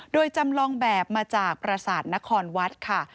โดยจำลองแบบมาจากประสาทนครวัดค่ะ